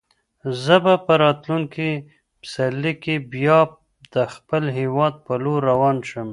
زه به په راتلونکي پسرلي کې بیا د خپل هیواد په لور روان شم.